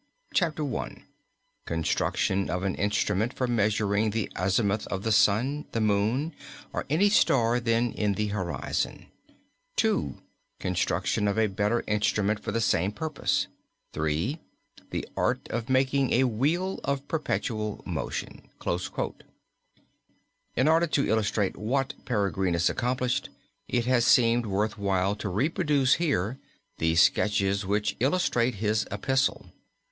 Chapter 1, construction of an instrument for measuring the azimuth of the sun, the moon or any star then in the horizon; 2, construction of a better instrument for the same purpose; 3, the art of making a wheel of perpetual motion." In order to illustrate what Peregrinus accomplished it has seemed worth while to reproduce here the sketches which illustrate his epistle.